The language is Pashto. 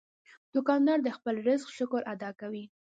دوکاندار د خپل رزق شکر ادا کوي.